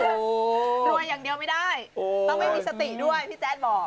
ต้องมีสติด้วยพี่แจ๊ดบอก